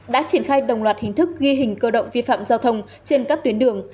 đã triển khai đồng loạt hình thức ghi hình cơ động vi phạm giao thông trên các tuyến đường